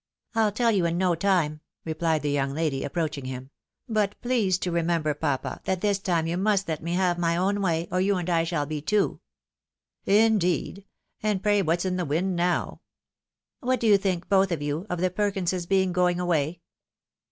" I'll tell you in no time," replied the young lady, ap proaching him ;" but please to remember, papa, that tliis time you must let me have my own way, or you and I shall be two." " Indeed ! and pray what's in the wind now ?"" What do yoa think, both of you, of the Perkinses being going away?"